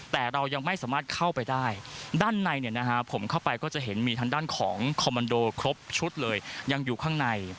แต่เรายังไม่สามารถเข้าไปได้ด้านในเนี่ยนะฮะผมเข้าไปก็จะเห็นมีทางด้านของคอมมันโดครบชุดเลยยังอยู่ข้างใน